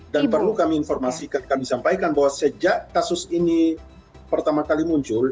dan perlu kami informasikan kami sampaikan bahwa sejak kasus ini pertama kali muncul